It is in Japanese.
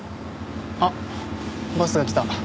あっバスが来た。